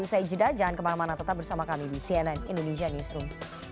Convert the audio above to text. usai jeda jangan kemana mana tetap bersama kami di cnn indonesia newsroom